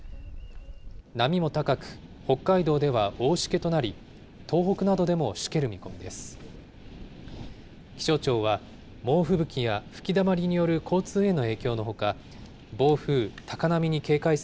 波も高く、北海道では大しけとなり、東北などでもしける見込みです。